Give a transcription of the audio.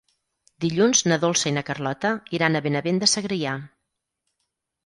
Dilluns na Dolça i na Carlota iran a Benavent de Segrià.